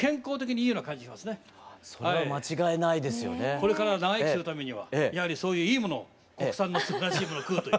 これから長生きするためにはやはりそういういいものを国産のすばらしいものを食うという。